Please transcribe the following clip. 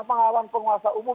menghalang penguasa umum